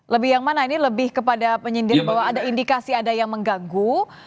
lebih yang mana ini lebih kepada penyindir bahwa ada indikasi ada yang mengganggu